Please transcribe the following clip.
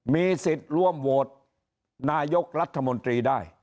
มีสิทธิ์ร่วมโหวตนายกรัฐมนตรีได้